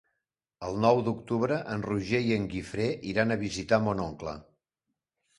El nou d'octubre en Roger i en Guifré iran a visitar mon oncle.